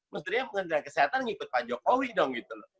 mestinya kementerian kesehatan ngikut pak jokowi dong gitu loh